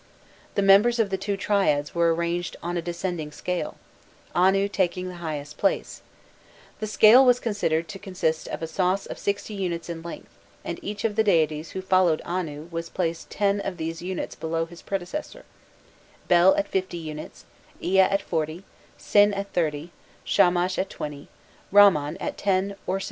The members of the two triads were arranged on a descending scale, Anu taking the highest place: the scale was considered to consist of a soss of sixty units in length, and each of the deities who followed Anu was placed ten of these units below his predecessor, Bel at 50 units, Ea at 40, Sin at 30, Shamash at 20, Ramman at 10 or 6.